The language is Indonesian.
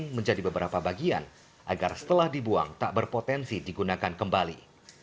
pembuangnya diperhitungkan dengan ketinggian bagian agar setelah dibuang tak berpotensi digunakan kembali